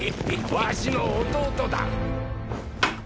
わしの弟だ。